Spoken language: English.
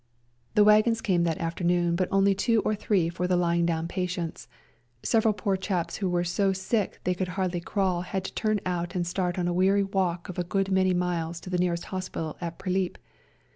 The wagons came that afternoon, but A SERBIAN AMBULANCE 27 only two or three for the lying down patients ; several poor chaps who were so sick they could hardly crawl had to turn out and start on a weary walk of a good many miles to the nearest hospital at Prilip.